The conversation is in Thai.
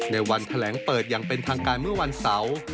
ในวันแถลงเปิดอย่างเป็นทางการเมื่อวันเสาร์